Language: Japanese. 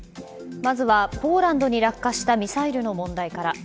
まずはポーランドに落下したミサイルの問題から。